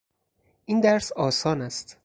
این درس آسان است.